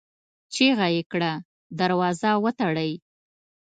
چيغه يې کړه! دروازه وتړئ!